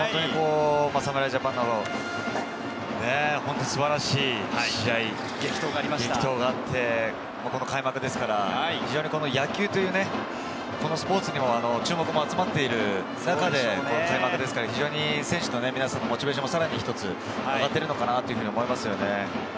侍ジャパンなど素晴らしい試合、激闘があって開幕ですから、野球というスポーツにも注目も集まっている中での開幕ですから、選手の皆さんのモチベーションもさらに上がっているのかと思います。